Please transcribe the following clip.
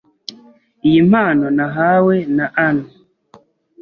Iyi mpano nahawe na Ann.